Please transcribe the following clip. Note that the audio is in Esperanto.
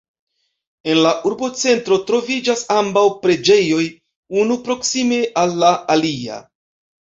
En la urbocentro troviĝas ambaŭ preĝejoj, unu proksime al la alia.